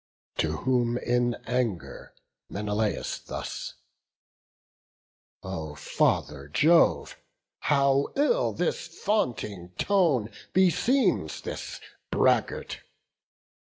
To whom in anger Menelaus thus: "O Father Jove, how ill this vaunting tone Beseems this braggart!